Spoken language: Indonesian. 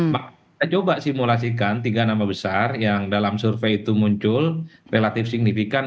kita coba simulasikan tiga nama besar yang dalam survei itu muncul relatif signifikan